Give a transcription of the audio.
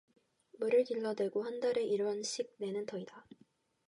물을 길어 대고 한 달에 일 원씩 내는 터이다.